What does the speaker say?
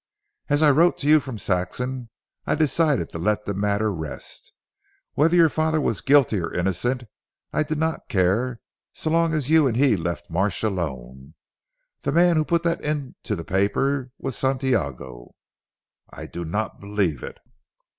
As I wrote to you from Saxham I decided to let the matter rest. Whether your father was guilty or innocent I did not care so long as you and he left Marsh alone. The man who put that into the paper was Santiago." "I do not believe it."